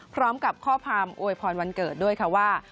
พร้อมกับข้อความอวยพรวันเกิดด้วยค่ะว่า